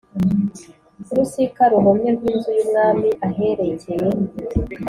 Ku rusika ruhomye rw inzu y umwami aherekeye